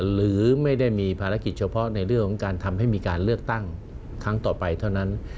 หรือไม่ได้มีภารกิจเฉพาะในเรื่องของการทำให้มีการเลือกตั้งครั้งต่อไปเท่านั้น